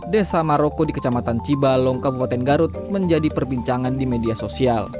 desa maroko di kecamatan cibalong kabupaten garut menjadi perbincangan di media sosial